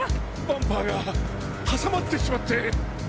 バンパーが挟まってしまって。